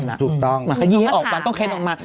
ถูกต้องค่ายี่ให้ออกมาต้องเคล็ดออกมา